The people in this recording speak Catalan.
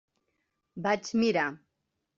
Vaig mirar.